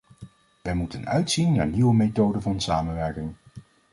Wij moeten uitzien naar nieuwe methoden van samenwerking.